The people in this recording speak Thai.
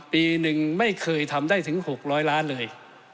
ปีหนึ่งไม่เคยทำได้ถึง๖๐๐ล้านเลย